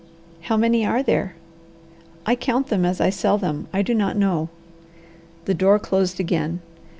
"How many are there?" "I count them as I sell them. I do not know." The door closed again.